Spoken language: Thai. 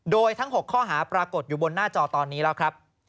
โดยทั้ง๖ข้อหาปรากฏอยู่บนหน้าจอตอนนี้แล้วครับ